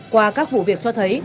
qua các vụ việc cho thấy